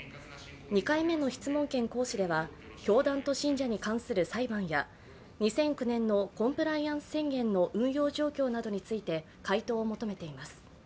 ２回目の質問権行使では教団と信者に関する裁判や２００９年のコンプライアンス宣言の運用状況などについて回答を求めています。